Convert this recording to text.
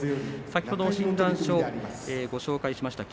先ほど診断書ご紹介しました。